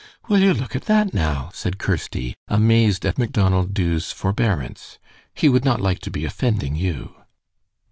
"Will you look at that now?" said Kirsty, amazed at Macdonald Dubh's forbearance. "He would not like to be offending you."